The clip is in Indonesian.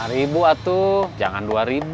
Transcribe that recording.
rp lima atu jangan rp dua